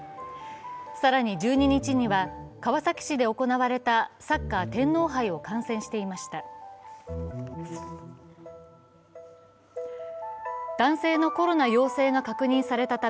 更に１２日には川崎市で行われたサッカー天皇杯を観戦していました。